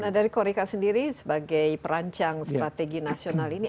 nah dari korika sendiri sebagai perancang strategi nasional ini